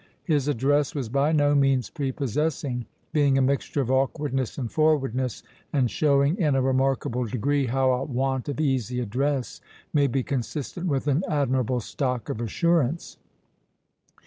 His address was by no means prepossessing, being a mixture of awkwardness and forwardness, and showing in a remarkable degree, how a want of easy address may be consistent with an admirable stock of assurance.